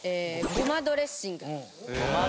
ごまドレッシング。